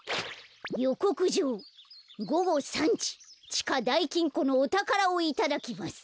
「よこくじょうごご３じちかだいきんこのおたからをいただきます。